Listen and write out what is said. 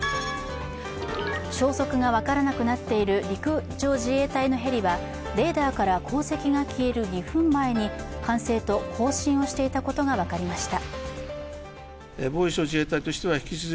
消息が分からなくなっている陸上自衛隊のヘリはレーダーから航跡が消える２分前に管制と交信をしていたことが分かりました。